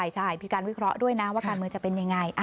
ใช่มีการวิเคราะห์ด้วยนะว่าการเมืองจะเป็นยังไง